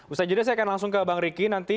ustaz yuda saya akan langsung ke bang riki nanti